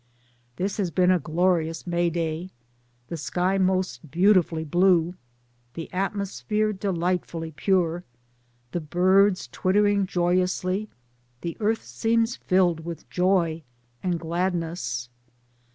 This has been a glorious May day. The sky most beautifully blue, the atmosphere delightfully pure, the birds twittering joy ously, the earth seems filled with joy and gladness.